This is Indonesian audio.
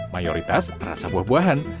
mayoritas rasa buah buahan